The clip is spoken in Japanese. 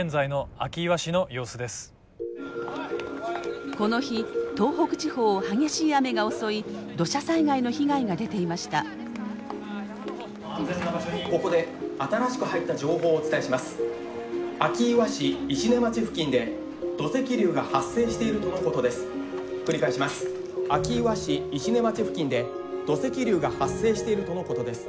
明岩市石音町付近で土石流が発生しているとのことです。